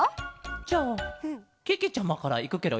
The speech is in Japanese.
じゃあけけちゃまからいくケロよ。